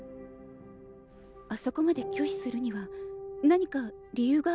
あそこまで拒否するには何か理由があるんでしょうか。